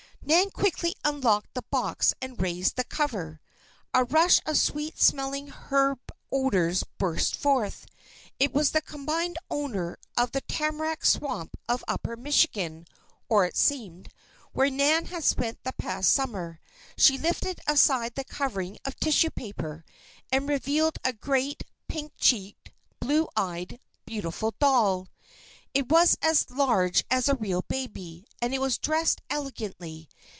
Nan quickly unlocked the box and raised the cover. A rush of sweet smelling herb odors burst forth. It was the combined odor of the tamarack swamp of upper Michigan (or so it seemed), where Nan had spent the past summer. She lifted aside the covering of tissue paper, and revealed a great, pink cheeked, blue eyed, beautiful doll! It was as large as a real baby, and it was dressed elegantly.